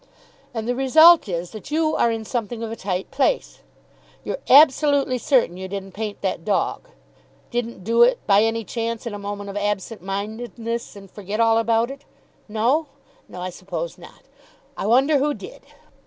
"And the result is that you are in something of a tight place. You're absolutely certain you didn't paint that dog? Didn't do it, by any chance, in a moment of absent mindedness, and forgot all about it? No? No, I suppose not. I wonder who did!"